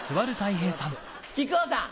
木久扇さん。